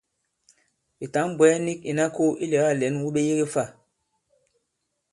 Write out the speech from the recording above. Ɓè tǎŋ-bwɛ̀ɛ nik ìna kō ilɛ̀gâ lɛ̌n wu ɓe yege fâ?